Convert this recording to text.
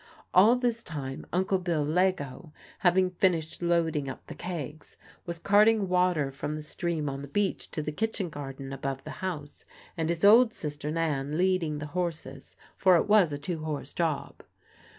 All this time Uncle Bill Leggo, having finished loading up the kegs, was carting water from the stream on the beach to the kitchen garden above the house, and his old sister Nan leading the horses (for it was a two horse job).